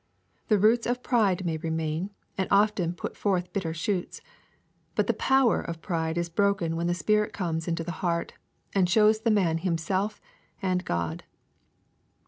The roots of pride may remain, and often put forth bitter shoots. But the power of' pride is broken when the Spirit comes into the heart, and shows the man himself and God.